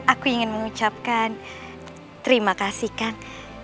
aku ingin mengucapkan terima kasih kang